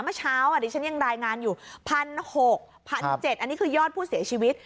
เมื่อเช้าดิฉันยังรายงานอยู่๑๖๑๗๐๐อันนี้คือยอดผู้เสียชีวิต